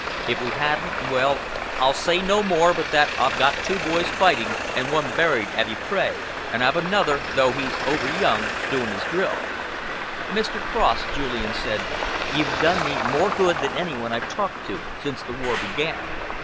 If we hadn't well, I'll say no more but that I've got two boys fighting and one buried at Ypres, and I've another, though he's over young, doing his drill." "Mr. Cross," Julian said, "you've done me more good than any one I've talked to since the war began."